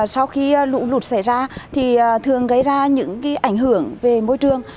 sau khi lũ lụt xảy ra thì thường gây ra những ảnh hưởng về môi trường